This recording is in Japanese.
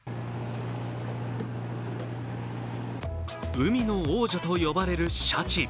海の王者と呼ばれるシャチ。